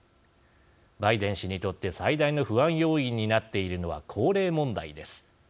バイデン氏にとって最大の不安要因になっているのは高齢問題です。